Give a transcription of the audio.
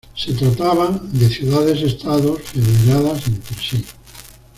Se trataban de ciudades estado federadas entre sí.